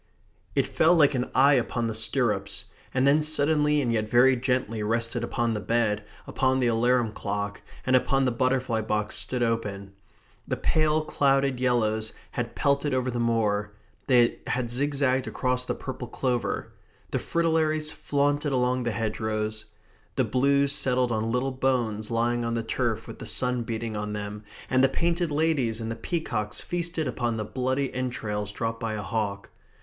It fell like an eye upon the stirrups, and then suddenly and yet very gently rested upon the bed, upon the alarum clock, and upon the butterfly box stood open. The pale clouded yellows had pelted over the moor; they had zigzagged across the purple clover. The fritillaries flaunted along the hedgerows. The blues settled on little bones lying on the turf with the sun beating on them, and the painted ladies and the peacocks feasted upon bloody entrails dropped by a hawk.